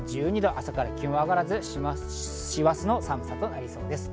朝から気温が上がらず、師走の寒さとなりそうです。